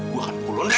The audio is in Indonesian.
gue akan pukul lo nenek